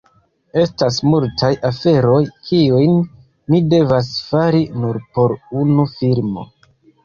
Estas multaj aferoj, kiujn mi devas fari nur por unu filmo.